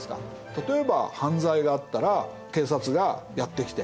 例えば犯罪があったら警察がやって来て守ってくれる。